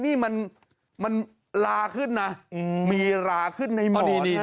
นี่มันลาขึ้นนะมีราขึ้นในมือดีนะ